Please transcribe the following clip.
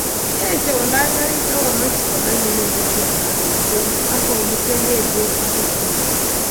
Kiesio kolany garit akomach konam inendet cheplakwet eut akemute kelyek agoi sukul